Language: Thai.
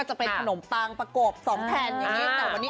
ก็จะเป็นหนิ่งขนมแปลงปะกกก๒แผงอย่างนี้